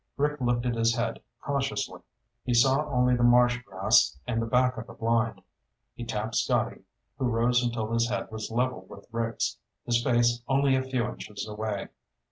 Rick lifted his head cautiously. He saw only the marsh grass and the back of the blind. He tapped Scotty, who rose until his head was level with Rick's, his face only a few inches away.